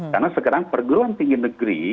karena sekarang pergeruan tinggi negeri